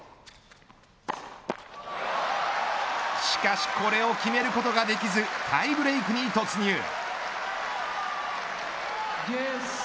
しかしこれを決めることができずタイブレークに突入。